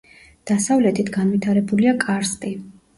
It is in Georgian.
დასავლეთით განვითარებულია კარსტი.